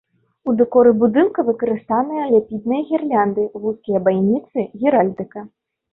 У дэкоры будынка выкарыстаныя ляпныя гірлянды, вузкія байніцы, геральдыка.